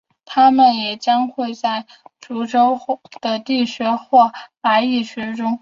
它们也会将巢筑在地穴或白蚁丘中。